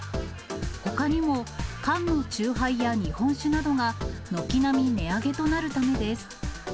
ほかにも缶の酎ハイや日本酒などが、軒並み値上げとなるためです。